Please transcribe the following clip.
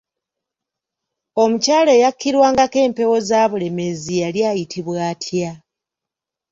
Omukyala eyakkirwangako empewo za Bulemeezi yali ayitibwa atya?